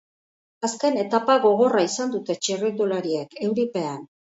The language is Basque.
Azken etapa gogorra izan dute txirrindulariek, euripean.